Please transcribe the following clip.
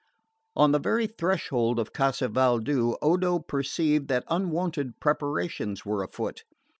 On the very threshold of Casa Valdu, Odo perceived that unwonted preparations were afoot.